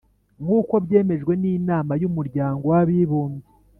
Nkuko byemejwe n'Inama y'Umuryango w'Abibumbye